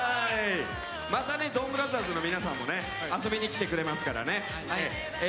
またドンブラザーズの皆さんも遊びに来てくれますから。